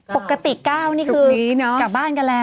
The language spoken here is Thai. ปกติ๙นี่คือกลับบ้านกันแล้ว